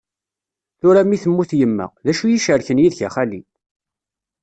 Tura mi temmut yemma, d acu i yi-icerken yid-k, a xali?